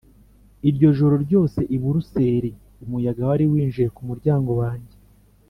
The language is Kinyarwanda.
ijoro ryose i buruseli umuyaga wari winjiye ku muryango wanjye: